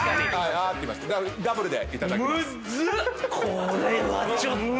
これはちょっと。